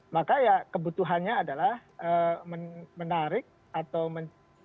maka ya kebutuhannya adalah menarik atau mencari